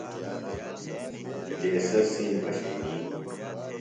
دیسہ سِین پشئنی۔